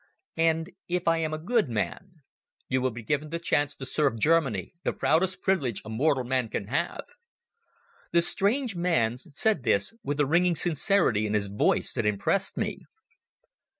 "And if I am a good man?" "You will be given a chance to serve Germany, the proudest privilege a mortal man can have." The strange man said this with a ringing sincerity in his voice that impressed me.